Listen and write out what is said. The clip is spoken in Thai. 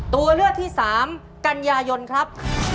ตัวเลือกที่๓กันยายนครับ